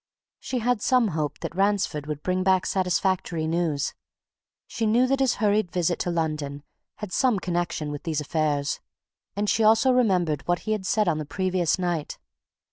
She had some hope that Ransford would bring back satisfactory news; she knew that his hurried visit to London had some connection with these affairs; and she also remembered what he had said on the previous night.